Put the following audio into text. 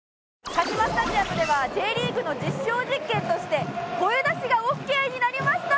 カシマスタジアムではＪリーグの実証実験として声出しがオッケーになりました！